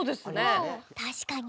たしかに。